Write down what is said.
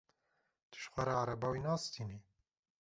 Tu ji xwe ra ereba wî nastînî?